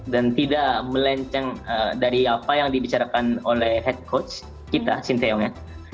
dan tidak melenceng dari apa yang dibicarakan oleh head coach kita shin taeyong ya